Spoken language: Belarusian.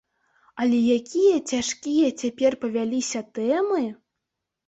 Але якія цяжкія цяпер павяліся тэмы!